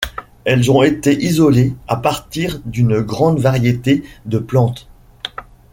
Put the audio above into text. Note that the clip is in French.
Elles ont été isolées à partir d'une grande variété de plantes.